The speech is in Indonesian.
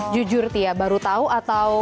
jujur tia baru tau atau